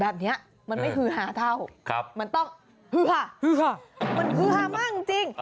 แบบนี้มันไม่ฮื้อฮ่าเท่ามันต้องฮื้อฮ่าฮื้อฮ่ามันฮื้อฮ่ามากจริง